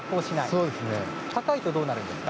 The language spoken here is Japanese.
高いとどうなりますか？